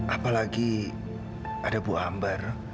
apalagi ada bu ambar